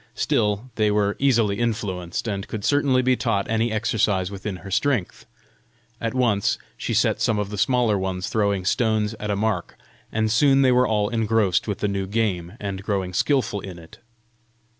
Still, they were easily influenced, and could certainly be taught any exercise within their strength! At once she set some of the smaller ones throwing stones at a mark; and soon they were all engrossed with the new game, and growing skilful in it.